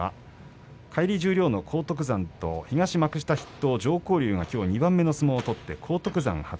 返り十両の荒篤山と東幕下筆頭の常幸龍きょう２番目の相撲でした。